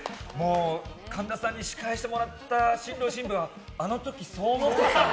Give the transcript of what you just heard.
神田さんに司会してもらった新郎新婦はあの時、そう思ってたの？